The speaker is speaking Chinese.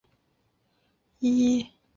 西澳州政府官方网页